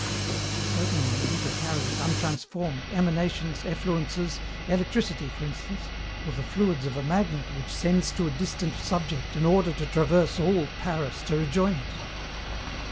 Certainly the ether carries, untransformed, emanations, effluences, electricity, for instance, or the fluids of a magnet which sends to a distant subject an order to traverse all Paris to rejoin it.